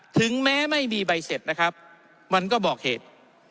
ถึงแม้ไม่มีใบเสร็จนะครับมันก็บอกเหตุ